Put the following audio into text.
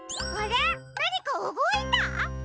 なにかうごいた！？